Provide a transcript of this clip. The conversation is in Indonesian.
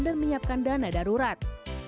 dan menyiapkan dana darurat